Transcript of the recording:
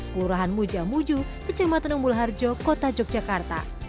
kelurahan mujamuju kecamatan umbul harjo kota yogyakarta